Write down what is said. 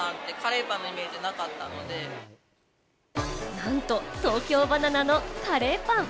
なんと、東京ばな奈のカレーパン！